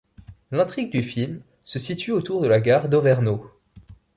L'intrigue du film se situe autour de la gare d'Auvernaux.